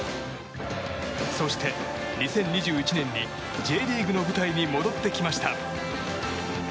そして、２０２１年にＪリーグの舞台に戻ってきました。